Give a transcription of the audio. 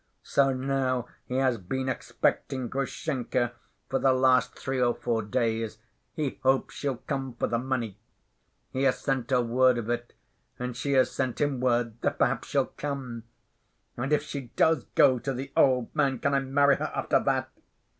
So now he has been expecting Grushenka for the last three or four days; he hopes she'll come for the money. He has sent her word of it, and she has sent him word that perhaps she'll come. And if she does go to the old man, can I marry her after that?